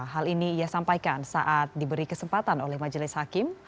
hal ini ia sampaikan saat diberi kesempatan oleh majelis hakim